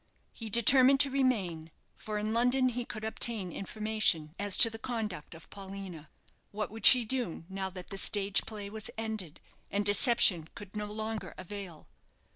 He determined to remain, for in London he could obtain information as to the conduct of Paulina. What would she do now that the stage play was ended, and deception could no longer avail?